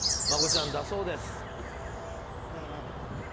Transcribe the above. マコちゃん、だそうです。